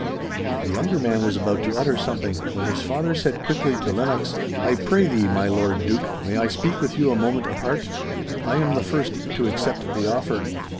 The younger man was about to utter something, when his father said quickly to Lennox, 'I pray thee, my Lord Duke, may I speak with you a moment apart? I am the first to accept the offer!